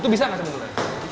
itu bisa gak sebenarnya